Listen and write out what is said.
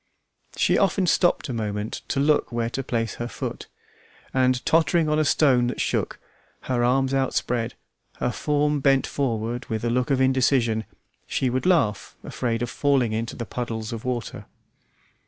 She often stopped a moment to look where to place her foot, and tottering on a stone that shook, her arms outspread, her form bent forward with a look of indecision, she would laugh, afraid of falling into the puddles of water.